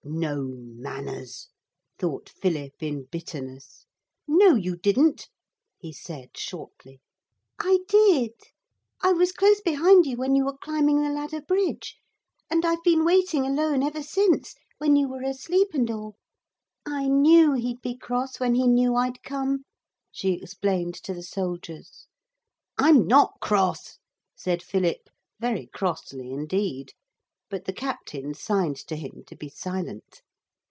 'No manners,' thought Philip in bitterness. 'No, you didn't,' he said shortly. 'I did I was close behind you when you were climbing the ladder bridge. And I've been waiting alone ever since, when you were asleep and all. I knew he'd be cross when he knew I'd come,' she explained to the soldiers. 'I'm not cross,' said Philip very crossly indeed, but the captain signed to him to be silent.